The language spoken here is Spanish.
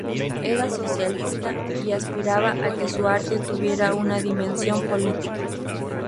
Era socialista, y aspiraba a que su arte tuviera una dimensión política.